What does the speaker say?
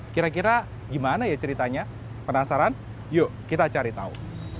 kira kira gimana ya ceritanya penasaran yuk kita cari tahu